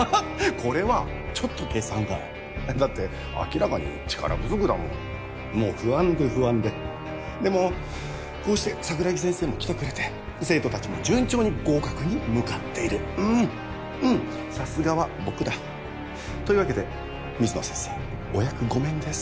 これはちょっと計算外だって明らかに力不足だもんもう不安で不安ででもこうして桜木先生も来てくれて生徒達も順調に合格に向かっているうんうんさすがは僕だというわけで水野先生お役御免です